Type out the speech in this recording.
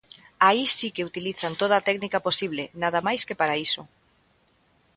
Aí si que utilizan toda a técnica posible, nada máis que para iso.